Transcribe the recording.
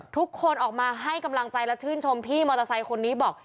ทุกคนออกมาให้กำลังใจและชื่นชมพี่มอเตอร์ไซค์คนนี้บอก